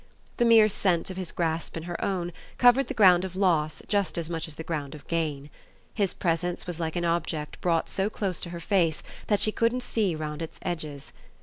The mere sense of his grasp in her own covered the ground of loss just as much as the ground of gain. His presence was like an object brought so close to her face that she couldn't see round its edges.